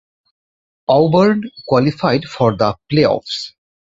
Auburn qualified for the playoffs.